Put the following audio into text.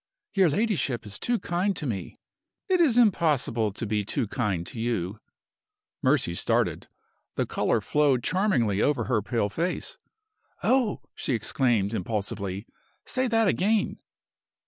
"Your ladyship is too kind to me." "It is impossible to be too kind to you." Mercy started. The color flowed charmingly over her pale face. "Oh!" she exclaimed, impulsively. "Say that again!"